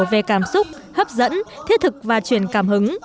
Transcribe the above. về cảm xúc hấp dẫn thiết thực và truyền cảm hứng